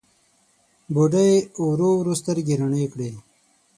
بوډۍ ورو ورو سترګې رڼې کړې.